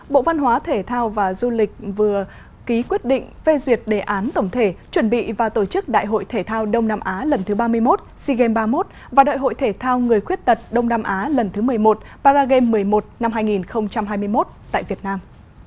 bộ văn hóa thể thao và du lịch vừa ký quyết định phê duyệt đề án tổng thể chuẩn bị và tổ chức đại hội thể thao đông nam á lần thứ ba mươi một sea games ba mươi một và đại hội thể thao người khuyết tật đông nam á lần thứ một mươi một paragame một mươi một năm hai nghìn hai mươi một tại việt nam